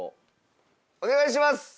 お願いします。